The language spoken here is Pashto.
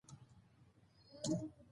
احمدشاه بابا د ملت یووالي ته ارزښت ورکاوه.